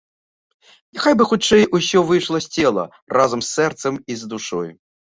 Няхай бы хутчэй усё выйшла з цела, разам з сэрцам і з душой!